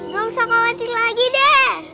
gak usah khawatir lagi deh